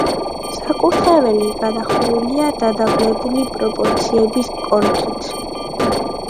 საკურთხეველი გადახურულია დადაბლებული პროპორციების კონქით.